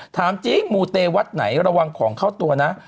ถามจริงมูเตวัดไหนระวังของเข้าตัวนะ